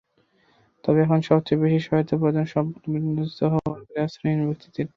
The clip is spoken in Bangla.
তবে এখন সবচেয়ে বেশি সহায়তা প্রয়োজন সম্পূর্ণ বিধ্বস্ত হওয়া ঘরবাড়ির আশ্রয়হীন ব্যক্তিদের।